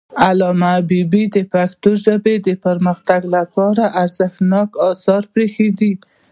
علامه حبيبي د پښتو ژبې د پرمختګ لپاره ارزښتناک آثار پریښي دي.